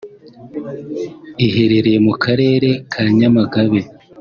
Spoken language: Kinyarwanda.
iherereye mu karere ka Nyamagabe